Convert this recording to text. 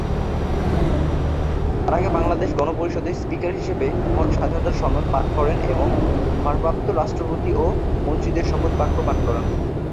তার আগে বাংলাদেশ গণপরিষদের স্পিকার হিসেবে "মহান স্বাধীনতার সনদ" পাঠ করেন এবং ভারপ্রাপ্ত রাষ্ট্রপতি ও মন্ত্রীদের শপথ বাক্য পাঠ করান।